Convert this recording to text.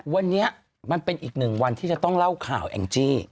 วันนี้มันเป็นอีกหนึ่งวันที่จะต้องเล่าข่าวแองจี้